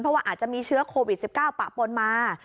เพราะว่าอาจจะมีเชื้อโควิด๑๙ปะปนมา